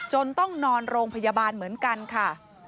ต้องนอนโรงพยาบาลเหมือนกันค่ะ